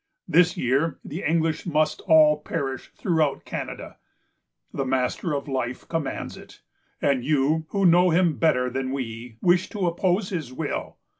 This year the English must all perish throughout Canada. The Master of Life commands it; and you, who know him better than we, wish to oppose his will.